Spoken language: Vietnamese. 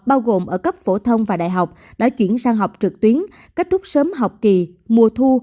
bao gồm ở cấp phổ thông và đại học đã chuyển sang học trực tuyến kết thúc sớm học kỳ mùa thu